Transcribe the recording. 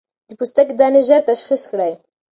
د پوستکي دانې ژر تشخيص کړئ.